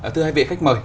thưa hai vị khách mời